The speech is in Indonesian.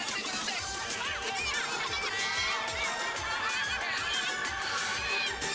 ella gua bukan anak anak